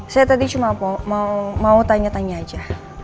saya tadi cuma mau tanya tanya aja